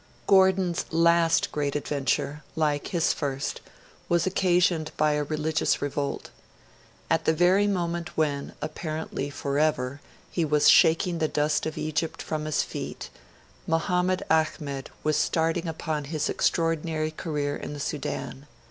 Gordon's last great adventure, like his first, was occasioned by a religious revolt. At the very moment when, apparently forever, he was shaking the dust of Egypt from his feet, Mahommed Ahmed was starting upon his extraordinary career in the Sudan.